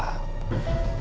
detailnya seperti apa